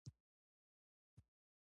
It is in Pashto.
د هغو مشترکو فکټورونو موجودیت.